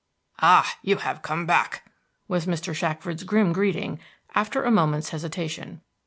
"Ah, you have come back!" was Mr. Shackford's grim greeting after a moment's hesitation.